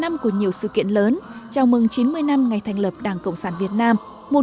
năm của nhiều sự kiện lớn chào mừng chín mươi năm ngày thành lập đảng cộng sản việt nam